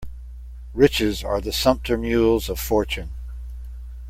Riches are the sumpter mules of fortune.